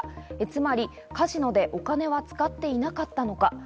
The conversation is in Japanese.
つまりカジノでお金は使っていなかったのか。